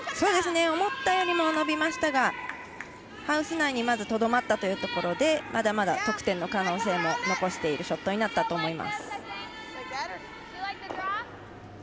思ったよりも伸びましたがハウス内にまずとどまったというところでまだまだ得点の可能性も残しているショットになったと思います。